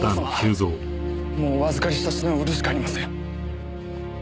もうお預かりした品を売るしかありません。